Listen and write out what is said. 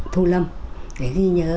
thu lâm để ghi nhớ